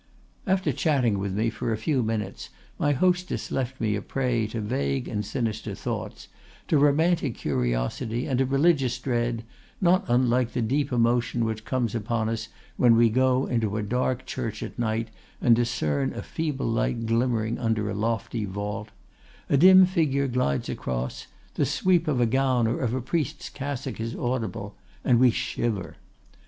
"After chatting with me for a few minutes, my hostess left me a prey to vague and sinister thoughts, to romantic curiosity, and a religious dread, not unlike the deep emotion which comes upon us when we go into a dark church at night and discern a feeble light glimmering under a lofty vault—a dim figure glides across—the sweep of a gown or of a priest's cassock is audible—and we shiver!